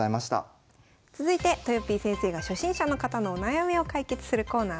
続いてとよぴー先生が初心者の方のお悩みを解決するコーナーです。